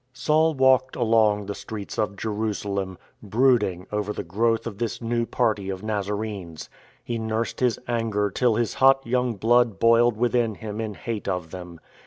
Saul walked along the streets of Jerusalem, brooding over the growth of this new party of Nazarenes. He nursed his anger till his hot young blood boiled within him in hate of them.